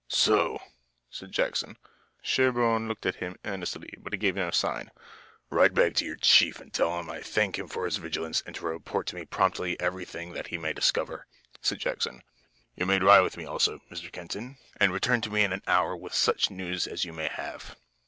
"So," said Jackson. Sherburne looked at him earnestly, but he gave no sign. "Ride back to your chief and tell him I thank him for his vigilance and to report to me promptly everything that he may discover," said Jackson. "You may ride with him also, Mr. Kenton, and return to me in an hour with such news as you may have."